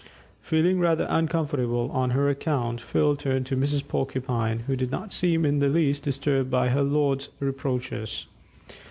Feeling rather uncomfortable on her account, Phil turned to Mrs. Porcupine, who did not seem in the least disturbed by her lord's reproaches.